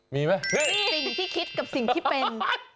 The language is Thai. สิ่งที่คิดกับสิ่งที่เป็น